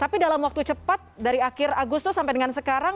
tapi dalam waktu cepat dari akhir agustus sampai dengan sekarang